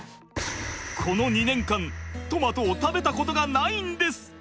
この２年間トマトを食べたことがないんです。